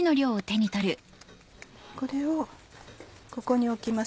これをここに置きます